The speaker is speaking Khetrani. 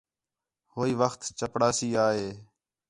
ہوئی وخت چپڑاسی آ ہے